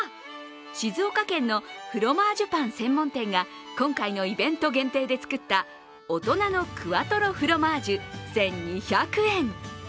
静岡県のフロマージュパン専門店が今回のイベント限定で作った大人のクワトロフロマージュ１２００円。